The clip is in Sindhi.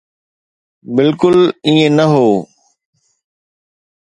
بلڪل ائين نه هو.